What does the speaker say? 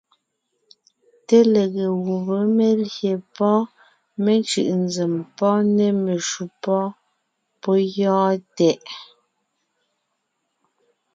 Té lege gùbé (melyè pɔ́ mecʉ̀ʼ nzèm) nê meshǔ... pɔ́ gyɔ́ɔn tɛʼ!